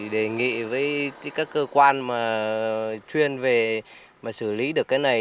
đề nghị với các cơ quan mà chuyên về mà xử lý được cái này